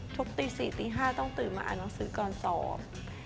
ทุกตี๔ตี๕ต้องตื่นมาอ่านหนังสือก่อนสอบ